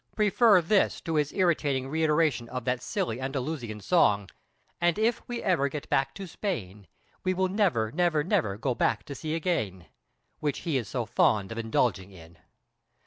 Prefer this to his irritating reiteration of that silly Andalusian song: And if we ever get back to Spain We will never, never, never go to sea again, which he is so fond of indulging in.